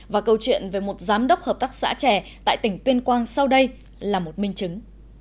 và câu chuyện về một giám đốc hợp tác xã trẻ tại tỉnh tuyên quang sau đây là một minh chứng